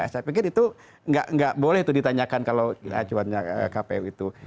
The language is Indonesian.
saya pikir itu nggak boleh itu ditanyakan kalau acuannya kpu itu